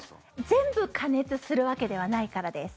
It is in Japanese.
全部加熱するわけではないからです。